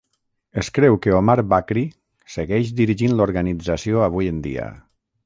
Es creu que Omar Bakri segueix dirigint l"organització avui en dia.